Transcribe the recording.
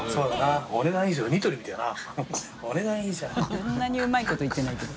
そんなにうまいこと言ってないけど。